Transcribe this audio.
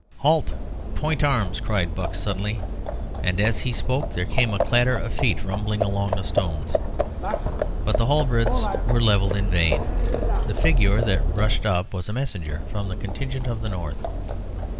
"Halt point arms!" cried Buck, suddenly, and as he spoke there came a clatter of feet tumbling along the stones. But the halberds were levelled in vain. The figure that rushed up was a messenger from the contingent of the North.